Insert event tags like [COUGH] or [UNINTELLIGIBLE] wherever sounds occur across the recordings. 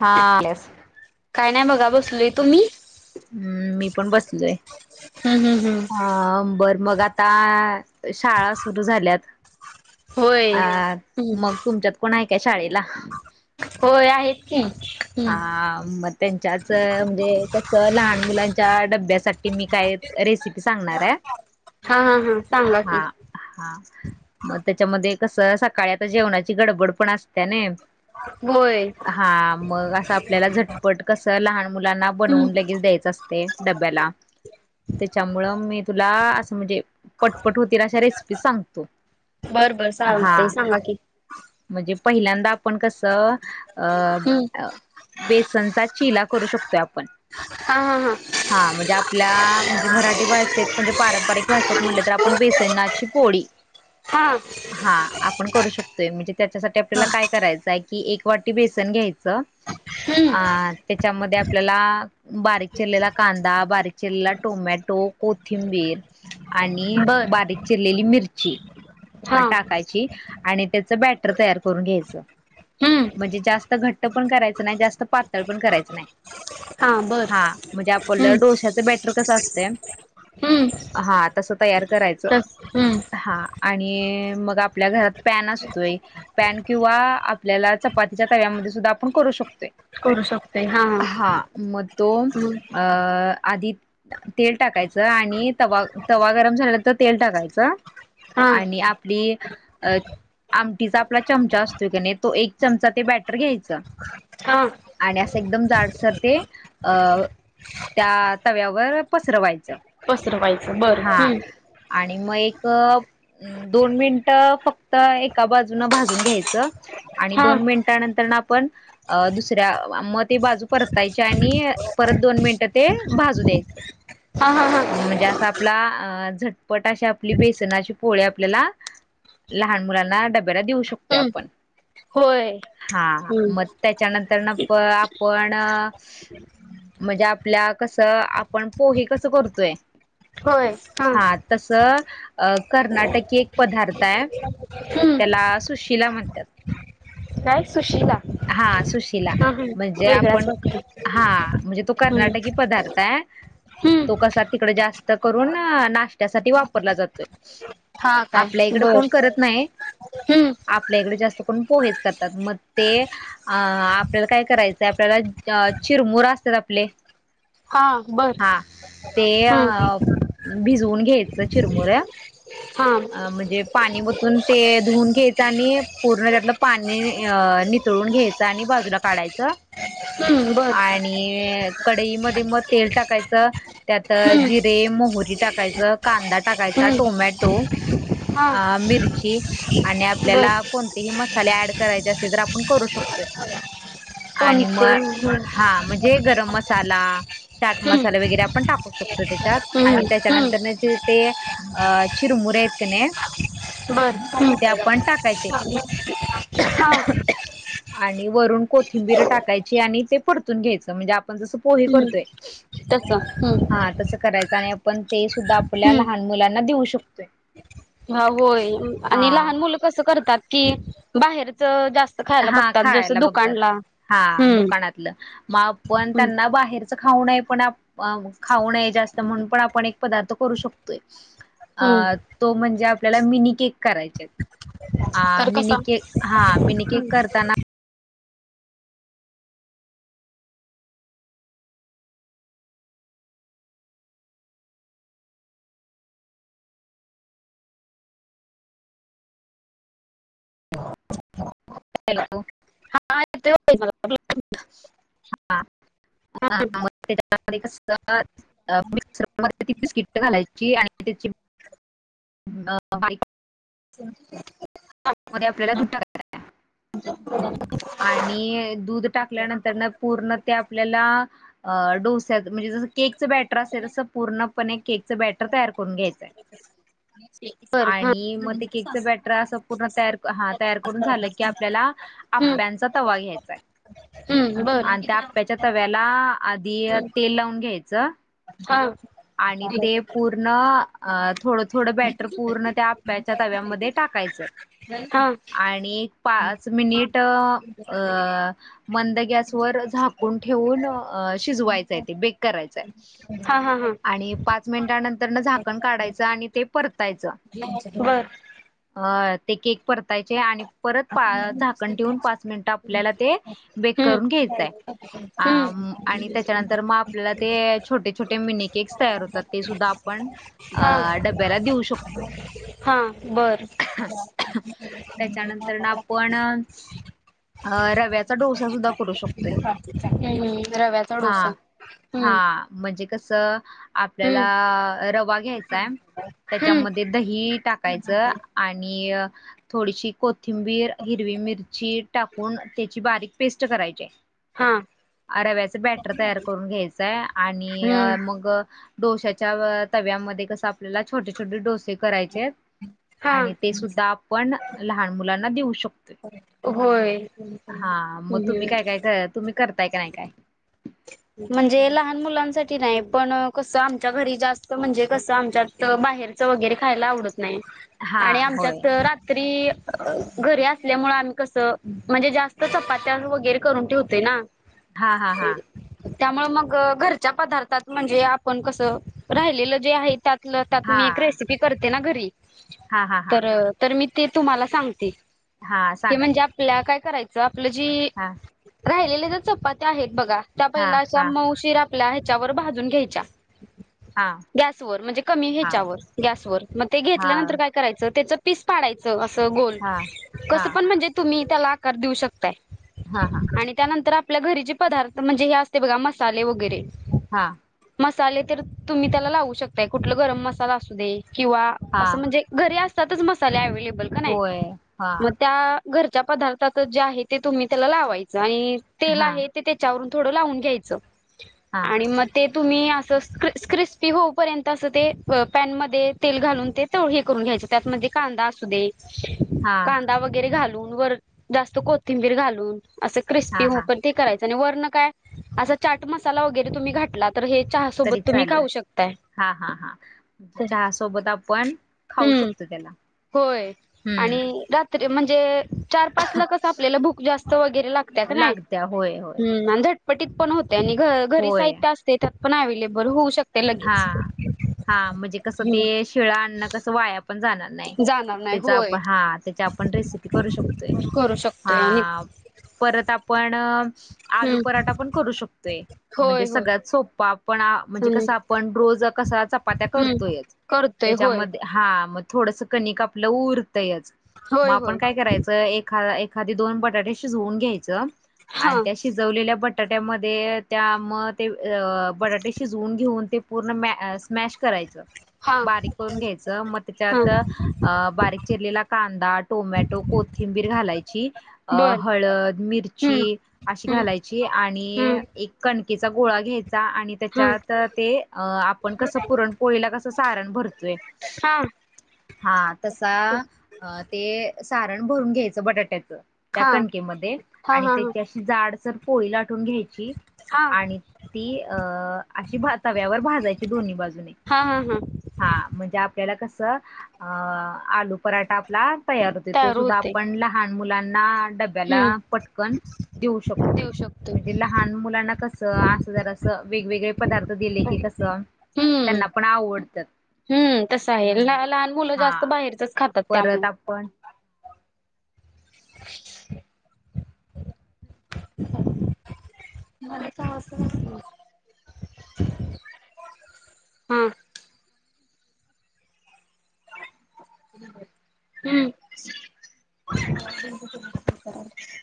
हा. काय नाही बघा बसलोय, तुम्ही? हम्म, मी पण बसले. हम् हम हम्. अ बर मग आता, शाळा सुरू झाल्यात. अ होय मग तुमच्यात कोण आहे का शाळेला? होय आहेत की. हा मग त्यांच्याच म्हणजे कस लहान मुलांच्या डब्यासाठी मी काय रेसिपी सांगणार हा हा हा आहे सांगा की हा हा मग त्याच्यामध्ये कसं सकाळी आता जेवणाची गडबड पण असते ना होय. हा मग असं आपल्याला झटपट कसं लहान मुलांना हम्म बनवून लगेच द्यायचं असते डब्याला त्याच्यामुळं मी तुला असं म्हणजे पटपट होतील अशा रेसिपी सांगतो. बर बर हा चालते सांगा की म्हणजे पहिल्यांदा आपण कसं अं हम्म बेसनचा चिला करू शकतोय आपण हा हा हा म्हणजे आपल्या म्हणजे मराठी भाषेत म्हणजे पारंपरिक भाषेत म्हटलं तर आपण बेसनाची पोळी हा हा आपण करू शकतोय म्हणजे त्याच्यासाठी आपल्याला काय करायचंय की एक वाटी बेसन घ्यायचं. हम्म अं त्याच्यामध्ये आपल्याला बारीक चिरलेला कांदा बारीक चिरलेला टोमॅटो कोथिंबीर आणि बर बारीक चिरलेली मिरची हा टाकायची आणि त्याच बॅटर तयार करून घ्यायचं. हम्म म्हणजे जास्त घट्ट पण करायचं नाही जास्त पातळ पण करायचं नाही. हा बर हा म्हणजे आपल हम्म डोश्याच बॅटर कस असतया. हम्म हा तसं तयार करायचं तस हम्म हा आणि मग आपल्या घरात पॅन असतोय. पॅन किंवा आपल्याला चपातीच्या तव्यामध्ये सुद्धा आपण करू शकतो. हा मग तो हम्म अ आधी तेल टाकायचं आणि तवा तवा गरम झाल तर तेल टाकायचं. हा आणि आपली अ आमटीचा आपला चमचा असतोय की नाही तो एक चमचा ते बॅटर घ्यायच. हा आणि असं एकदम जाडसर ते अ त्या तव्यावर पसरवायचं. पसरवायचं बरं हा हम्म आणि मग एक दोन मिनिट फक्त एका बाजून भाजून घ्यायचं आणि हा दोन मिन मिनिटानंतर न आपण अ दुसऱ्या मग ते बाजू परतायच्या आणि परत दोन मिनिटं ते भाजू द्यायचं. हा हा हा म्हणजे असं आपला झटपट अशी आपली बेसनाची पोळ्या आपल्याला लहान मुलांना डब्याला देऊ शकतोय हम्म आपण होय. हा हम्म मग त्याच्यानंतरन प आपण म्हणजे आपल्या कसं आपण पोहे कसं करतोय. होय हा तस अ कर्नाटकी एक पदार्थ आहे हम्म त्याला सुशिला म्हणत्यात. काय सुशीला हा सुशिला म्हणजे आपण वाटतो हा म्हणजे तो हम्म कर्नाटकी पदार्थ आहे. तो हम्म कसा तिकडे जास्त करून नाश्त्यासाठी वापरला जातोय. हा काय आपल्या इकड बर कोण करत नाही हम्म आप आपल्या इकडं जास्त करून पोहेच करतात मग ते अ आपल्याला काय करायचंय आपल्याला अ चिरमुरा असते ना आपले हा बरं हा ते भिजवून घ्यायचं चिरमुर हां म्हणजे पाणी ओतून ते धुवून घ्यायचं आणि पूर्ण त्यातलं पाणी नितळून घ्यायचं. घ्यायचं आणि बाजूला काढायचं हम्म बरं आणि कडईमध्ये मग तेल टाकायचं त्यात हम्म, जिरे मोहरी टाकायचं कांदा टाकायचा हम्म, टोमॅटो हा अ मिरची आणि बर आपल्याला कोणतेही मसाले ऍड करायचे असले तर आपण करू शकतोय. आणि कोणते मग हम्म, हा म्हणजे गरम मसाला चाट हम्म, मसाला वगैरे आपण टाकू शकतो त्याच्यात हम्म, आणि त्याच्यानंतर हम्म, त्याचे ते अ चिरमुरे आहेत की नाही ते बरं आपण टाकायचे हा आणि वरून कोथिंबीर टाकायची आणि ते परतून घ्यायचं म्हणजे आपण जसं पोहे हम्म, करतोय तसं हम्म, हा तसं करायचं आणि आपण ते सुद्धा आपल्या लहान मुलांना देऊ शकतोय. अ होय आणि हा लहान मुलं कसं करतात की बाहेरच जास्त खायला हा बघतात जसं खायला बघतात दुकानला हा हम्म दुकानातलं मग पण हम्म, त्यांना बाहेर खाऊ पण खाऊ नये जास्त म्हणून पण आपण एक पदार्थ करू शकतोय. हम्म, अ तो म्हणजे आपल्याला मिनी केेक करायचा. अ हा तर कसा मिनी केक हा मिनी केक करताना ह हा मा [UNINTELLIGIBLE] ्र [UNINTELLIGIBLE] तिथे स्किट्ट घालायची आणि त्याची [UNINTELLIGIBLE] [INAUDIBLE] मध्ये आपल्याला दुटका [UNINTELLIGIBLE] ह [INAUDIBLE] आणि दूध टाकल्यानंतर ना पूर्ण ते आपल्याला अ डोस्या म्हणजे जसं केकच बॅटर असेल तसं पूर्णपणे केक बॅटर तयार करून घ्यायचंय. अ [UNINTELLIGIBLE] आणि मग ते केकचं बॅटर असं पूर्ण तयार हा तयार करून झालं की आपल्याला हम्म, आप्प्यांचा तवा घ्यायचाय हम्म, बर आणि त्या आप्पांच्या तव्याला आधी हम्म, तेल लावून घ्यायचं. हा आणि ते हा पूर्ण अ थोडं थोडं बॅटर पूर्ण त्या आप्याच्या तव्यामध्ये टाकायचं. आणि एक पाच मिनिट अ मंद गॅसवर गॅस व झाकून ठेवून शिजवायचय ते बेक करायचं. हा हा हा आणि पाच मिनिटानंतर न झाकण काढायचं आणि ते परतायचं. बरं आय ते केक परतायचे आणि परत पाळ झाकण ठेवून पाच मिनिट आपल्याला ते बेक हम्म, करून घ्यायचंय. हम्म, आम आणि त्याच्यानंतर मग आपल्याला ते छोटे छोटे मिनि केक [UNINTELLIGIBLE] होतात ते सुद्धा आपण हा अ डब्याला देऊ शकतोय. हा बरं. त्याच्यानंतर ना आपण अ रव्याचा डोसा सुद्धा करू शकतोय हम्म रव्याचा डोसा हा. हम्म हा म्हणजे कसं आपल्याला हम्म रवा घ्याय चाय हम्म त्याच्यामध्ये दही टाकायचं आणि थोडीशी को थिंबीर, हिरवी मिरची टाकून त्याची बारीक पेस्ट करायचे. हां. अ रव्याच बॅटर तयार करून घ्यायचंय आणि हम्म मग डोश्याच्या व तव्यामध्ये कसं आपल्याला छोटे-छोटे डोसे करायचयात हा आणि ते सुद्धा आपण लहान मुलांना देऊ शक तोय होय हा मग तुम्ही हम्म काय काय कर तुम्ही करताय का नाही काय? म्हणजे लहान मुलांसाठी नाही पण कसं आमच्या घरी जास्त म्हणजे कसं आमच्या त बाहेरच वगैरे खायला आवडत नाही हा आणि होय आमच्यात रात्री घरी असल्यामुळे आम्ही कसं म्हणजे जास्त चपात्या वगैरे करून ठेवतेय ना. हा हा हा. त्यामुळे मग घरच्या पदार्थात म्हणजे आपण कसं राहिलेलं जे आहे त्या त्यातलं हा मी एक रेसिपी करते ना घरी हा हा हा तर तर मी ते तुम्हाला सांगते हा की सांगा म्हणजे आपल्या काय करायचं आपलं जे हा राहिलेल्या जे चपात्या आहेत बघा त्या हा पहिल्या अशा हा मौशीरा पल्या ह्याच्यावर भाजून घ्यायच्या. हा गॅसवर म्हणजे कमी हा ह्याच्यावर गॅसवर मग ते हा घेतल्यानंतर काय करायचं तेचा पीस पाडायचं असं गोल हा हा कसं पण म्हणजे तुम्ही त्याला आकार देऊ शकताय. हा हा. आणि त्यानंतर आपल्या घरीचे पदार्थ म्हणजे हे असते बघा मसाले वगैरे हा. मसाले तर तुम्ही त्याला लावू शकताय कुठलं गरम मसाला असू दे किंवा हा असं म्हणजे घरी असतातच मसाल्या अवेलेबल का नाही होय हा मग त्या घरच्या पदार्थातच जे आहे ते तुम्ही त्याला लावायचं आणि तेल हा आहे ते त्या च्यावरून थोडं लावून घ्यायचं हा आणि मग ते तुम्ही असं स्क्री क्रिस्पी होऊपर्यंत असं ते पॅन मध्ये तेल घालून ते तोव हे करून घ्यायचे त्यातमध्ये कांदा असू दे हा कांदा वगैरे घालून वर जास्त कोथिंबीर घालून असे हा क्रिस्पी व हा पण ते करायच आणि वरणं काय असा चाट मसाला वगैरे तुम्ही घातला तर हे चहा तरी सोबत तुम्ही चालेल खाऊ शकताय हा हा हा. जे चहा सोबत आपण खाऊ हम्म शकतो त्याला. होय हम्म आणि रात्री म्हणजे चार पाच ला कसं आपल्याला भूक जास्त वगैरे लाग त्या की नाय लागत्या होय होय हम्म अंधट प [UNINTELLIGIBLE] ति पण होते आणि घ घरी होय साहित्य असते त्यात पण अव्लेबल होऊ शक हा हा म्हणजे कसं ते हम्म शिळा अन्न कसं वाया पण जाणार नाही जाणार नाही त्याचा होय आपण हा त्याची आपण रेसिपी करू शकतोय करू हा. शकतोय आणि परत आपण आलू हम्म पराठा पण करू शकतोय, म्हणजे होय होय सगळ्यात सोपा पण म्हणजे कसं हम्म पण रोज कसा चपात्या करतोयच करतोय होय त्याच्यामध्ये हा मग थोडसं कणिक आपलं उरतंयच मग होय आपण होय काय करायचं एखादा एक एखादी दोन बटाटे शिजवून घ्यायच हा आणि त्याशी शिजवलेल्या बटाट्यामध्ये त्या म ते अ बटाटे शिजवून घेऊन ते पूर्ण मॅ स्मॅश करायचं हा बारीक करून घ्यायचं मग हा तेच्यात अ बारीक चिरलेला कांदा, टोमॅटो, कोथिंबीर घालायची अ बर हळद, हम्म मिरची अशी घालायची आणि हम्म एक कणकेचा गोळा घ्यायचा आणि हम्म त्याच्यात ते आपण कसं पुरण पोळीला कस सारण भरतोय हा हा तसा अ ते सारण भरून घ्यायचं बटाट्याचं. त्या हा कणकेमध्ये हा आणि हा हा त्याची अशी जाड सर पोळी लाटून घ्यायची. हा हा आणि ती अं अशी भा तव्यावर भाजायची दोन्ही बाजूने हा हा हा हा म्हणजे आपल्याला कस अं आलू पराठा आपला तयार हुतय तो सुद्धा आपण लहान मुलांना डब्या हम्म ब्याला पटकन देऊ शकतोय देऊ शकतो म्हणजे ला लहान मुलांना कसं आसं जरा असं वेगवेगळे पदार्थ दि की कस हम्म त्यांना पण आवडत्यात. हम्म तसं आहे ल लहान मुलं जास्त बाहेरचच खातात त्यामुळं. परत आपण [INAUDIBLE] मध्येच आवाज का हा. हम्म.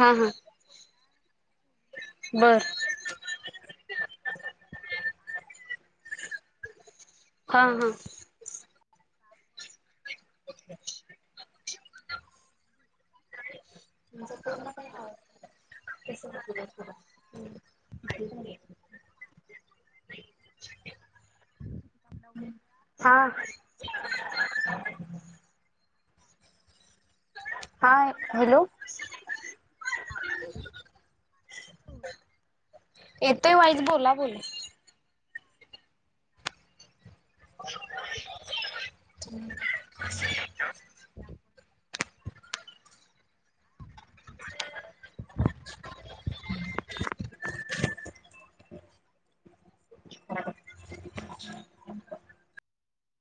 हा हा. सोलून घ्यायचा. बर. तर हा हा. कढईमध्ये बटाट्याचं काप अ, त्यात अ, [INAUDIBLE] हळद आणि मीठ घालून ते शिजवून घ्यायचं थोडंसं आणि [INAUDIBLE] शिजवून घेऊन तुमच मग ते काढायचं त्याला पूर्णपणे आवाज पूर्णपणे त्यातलं पाणी हं अ, म्हणजे हे करायचं [INAUDIBLE] आणि सुती [INAUDIBLE] कापडावर त्या बटाट्याच्या हा. [INAUDIBLE] हाय हॅलो. फ्लॉवर लावायचं आणि ते तळून घ्यायचं येतोय वाईज बोला बोला. त्या- तळून [INAUDIBLE] घ्यायचं आणि अ, मग आपल्याला असं आपलं घरच्या घरी आपण बाहेर सुद्धा आपण करू शकतो आणि लहान मुलांना वाढत जायला [UNINTELLIGIBLE] [UNINTELLIGIBLE]